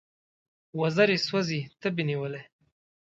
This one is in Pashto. وزر یې سوزي تبې نیولی